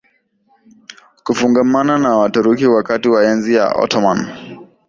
kufungamana na Waturuki wakati wa enzi ya Ottoman